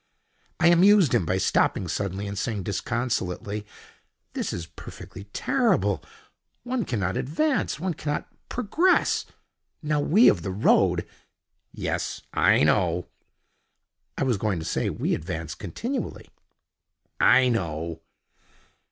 I amused him by stopping suddenly and saying disconsolately, "This is perfectly terrible. One cannot advance: one cannot progress. Now we of the road——" "Yes. I know." "I was going to say, we advance continually." "I know."